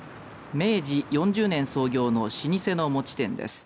明治４０年創業の老舗の餅店です。